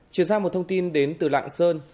chuyển sang một thông tin đến từ lạng sơn